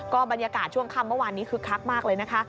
บรรยากาศช่วงค่ำเมื่อวานนี้คึกคักมากเลยนะคะ